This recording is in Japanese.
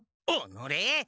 おのれ！